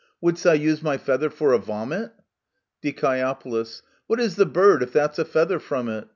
Wouldst thou use my feather for a vomit ? Die. What is the bird if that's a feather from it